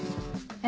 え？